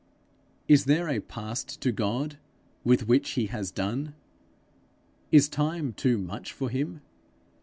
Is there a past to God with which he has done? Is Time too much for him?